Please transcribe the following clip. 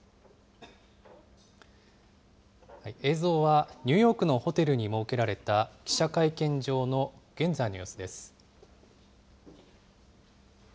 映像はニューヨークのホテルに設けられた記者会見場の現在の様子です。